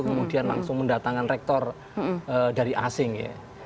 kemudian langsung mendatangkan rektor dari asing ya